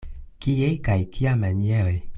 Kie kaj kiamaniere?